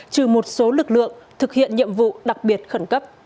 trừ một số lực lượng thực hiện nhiệm vụ đặc biệt khẩn cấp